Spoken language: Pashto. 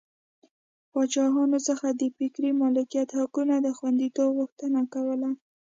پاچاهانو څخه د فکري مالکیت حقونو د خوندیتوب غوښتنه کوله.